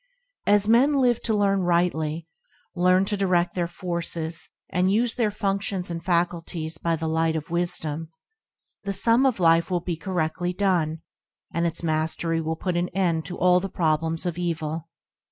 As men learn to live rightly, learn to diredt their forces and use their functions and faculties by the light of wisdom, the sum of life will be corre&ly done, and its mastery will put an end to all the "problems of evil."